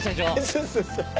そうそうそう。